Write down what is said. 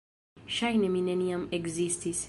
Ŝajne mi neniam ekzistis.